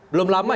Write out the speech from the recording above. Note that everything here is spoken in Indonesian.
belum lama ya